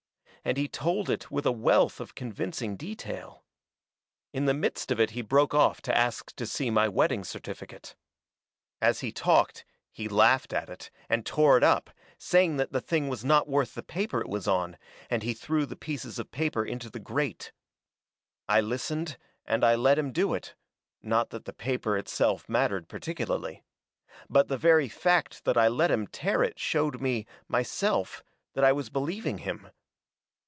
And he told it with a wealth of convincing detail. In the midst of it he broke off to ask to see my wedding certificate. As he talked, he laughed at it, and tore it up, saying that the thing was not worth the paper it was on, and he threw the pieces of paper into the grate. I listened, and I let him do it not that the paper itself mattered particularly. But the very fact that I let him tear it showed me, myself, that I was believing him.